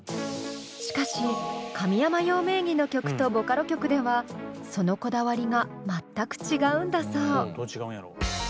しかし神山羊名義の曲とボカロ曲ではそのこだわりが全く違うんだそう。